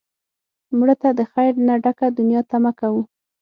مړه ته د خیر نه ډکه دنیا تمه کوو